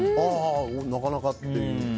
なかなかっていう。